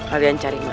kalian cari matu